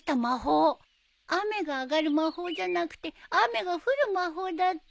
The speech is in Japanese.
雨が上がる魔法じゃなくて雨が降る魔法だった。